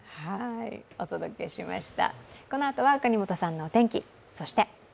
お届けしました。